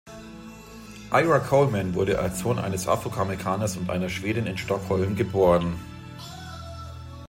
Ira Coleman wurde als Sohn eines Afroamerikaners und einer Schwedin in Stockholm geboren.